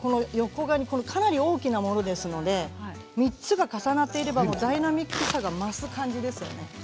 かなり大きなものですので３つが重なっていればダイナミックさが増す感じですね。